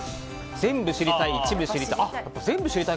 全部知りたい、一部知りたい。